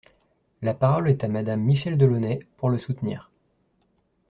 La parole est à Madame Michèle Delaunay, pour le soutenir.